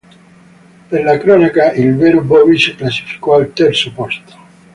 Per la cronaca, il "vero" Bowie si classificò al terzo posto.